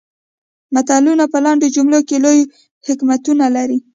متلونه په لنډو جملو کې لوی حکمتونه لري